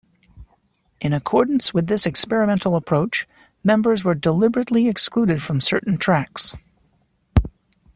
In accordance with this experimental approach, members were deliberately excluded from certain tracks.